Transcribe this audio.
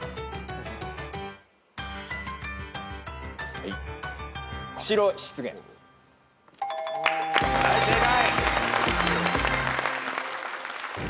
はい正解。